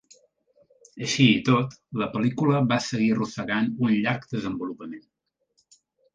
Així i tot, la pel·lícula va seguir arrossegant un llarg desenvolupament.